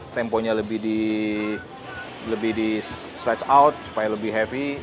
temponya lebih di stretch out supaya lebih heavy